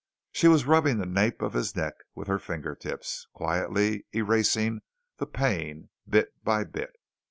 She was rubbing the nape of his neck with her fingertips, quietly erasing the pain bit by bit.